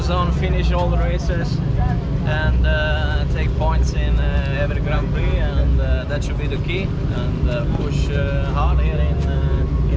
saya pikir ini adalah tempat yang indah dan saya sangat senang untuk berada di sini